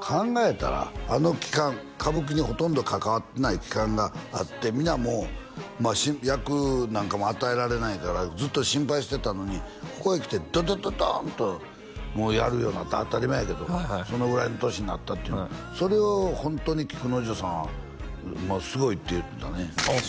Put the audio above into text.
考えたらあの期間歌舞伎にほとんど関わってない期間があって皆も役なんかも与えられないからずっと心配してたのにここへ来てドドドドンとやるようになった当たり前やけどそのぐらいの年になったっていうのそれをホントに菊之丞さんはすごいって言ってたねああ